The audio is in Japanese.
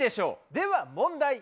では問題。